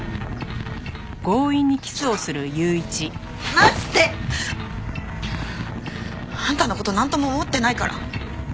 離して！あんたの事なんとも思ってないから。